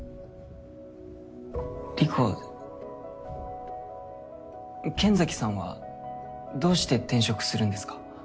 莉子剣崎さんはどうして転職するんですか？